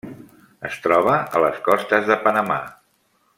Es troba a les costes de Panamà.